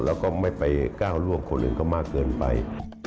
แล้วก็ไม่ไปก้าวล่วงคนอื่นเขามากเกินไป